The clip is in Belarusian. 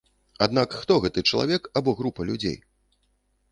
Аднак хто гэты чалавек або група людзей?